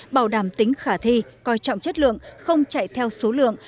bảo đảm tính khả thi coi trọng chất lượng không chạy theo số lượng